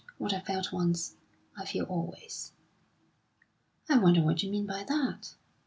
What I felt once, I feel always." "I wonder what you mean by that?"